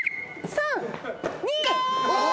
３２。